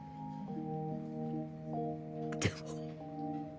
でも。